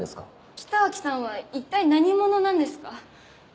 北脇さんは一体何者なんですか？